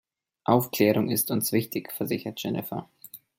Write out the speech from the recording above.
Aufklärung ist uns wichtig, versichert Jennifer.